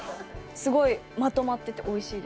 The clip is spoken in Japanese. すごいまとまってておいしいです。